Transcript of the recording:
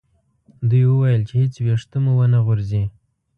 دوی وویل چې هیڅ ویښته مو و نه غورځي.